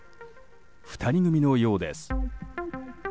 ２人組のようです。